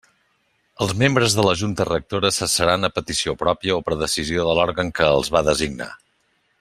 Els membres de la Junta Rectora cessaran a petició pròpia o per decisió de l'òrgan que els va designar.